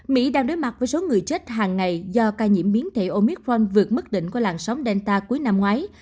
mỹ đang đối mặt với số người chết hàng ngày do ca nhiễm biến thể omitforn vượt mức đỉnh qua làn sóng delta cuối năm ngoái